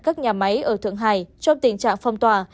các nhà máy ở thượng hải trong tình trạng phong tỏa